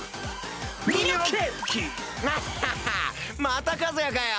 また和也かよ。